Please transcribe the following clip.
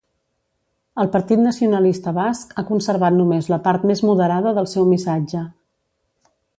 El Partit Nacionalista Basc ha conservat només la part més moderada del seu missatge.